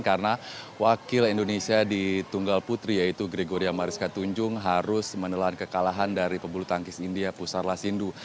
karena wakil indonesia di tunggal putri yaitu gregoria mariska tunjung harus menelan kekalahan dari pebulu tangkis india pusarlah sindu